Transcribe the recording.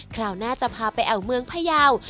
คราวหน้าจะพาไปแอวเมืองพยาว